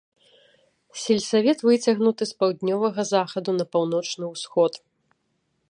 Сельсавет выцягнуты з паўднёвага захаду на паўночны ўсход.